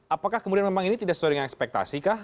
apakah kemudian memang ini tidak sesuai dengan ekspektasi kah